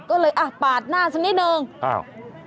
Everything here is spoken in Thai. ก็เลยอ่ะปาดหน้าสักนิดนึงอ้าว